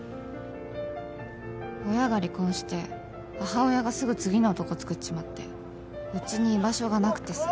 親が離婚して母親がすぐ次の男つくっちまってうちに居場所がなくてさ。